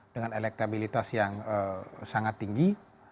dengan elektabilitas yang sangat tinggi